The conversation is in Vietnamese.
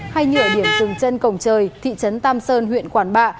hay nhở điểm rừng chân cổng trời thị trấn tăm sơn huyện quản bạ